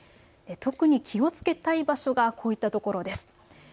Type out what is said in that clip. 特に気をつけたい場所がこういったところです。